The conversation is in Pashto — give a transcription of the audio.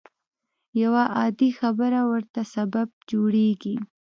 يوه عادي خبره ورته سبب جوړېږي.